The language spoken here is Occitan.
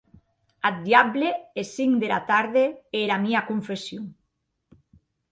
Ath diable es cinc dera tarde e era mia confession!